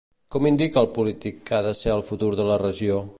Com indica el polític que ha de ser el futur de la regió?